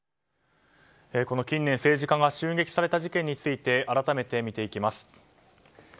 近年政治家が襲撃された事件についてあらためて見ていきます。